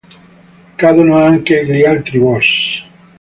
Cadono anche gli altri Boss.